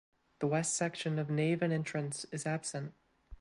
The west section of nave and entrance is absent.